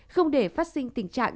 không để phát sinh tình trạng